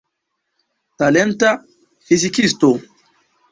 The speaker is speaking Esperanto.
Talenta fizikisto.